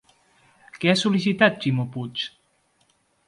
Què ha sol·licitat Ximo Puig?